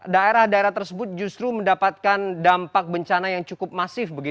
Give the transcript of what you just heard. daerah daerah tersebut justru mendapatkan dampak bencana yang cukup masif